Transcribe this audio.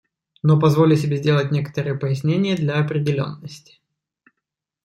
Но позволю себе сделать некоторое пояснение для определенности.